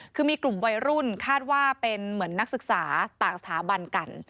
คือมีกลุ่มวัยรุ่นคาดว่าเป็นเหมือนนักศึกษาต่างสถาบันกัน